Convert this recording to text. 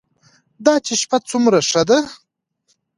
دا چې شپه څومره ښه ده.